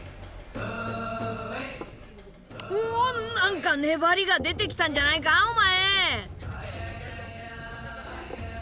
おお何か粘りが出てきたんじゃないかお前！